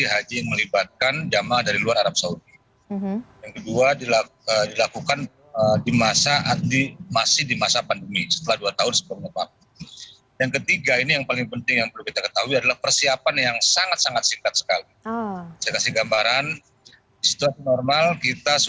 hal hal yang tidak perlu